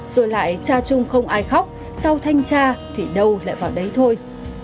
rồi lại cha chung không ai khóc sau thanh tra thì đâu lại vào đấy thôi